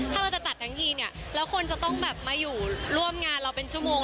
ถ้าเราจะจัดทั้งทีเนี่ยแล้วคนจะต้องแบบมาอยู่ร่วมงานเราเป็นชั่วโมง